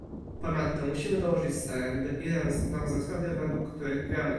Ponadto musimy dołożyć starań, by Iran znał zasady, według których gramy